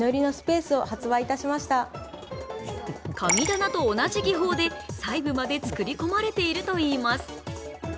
神棚と同じ技法で細部まで作り込まれているといいます。